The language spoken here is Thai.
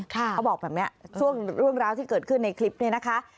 เขาบอกแบบนี้ช่วงเรื่องราวที่เกิดขึ้นในคลิปนี้นะคะ